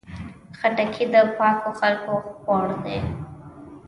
خټکی د پاکو خلکو خوړ دی.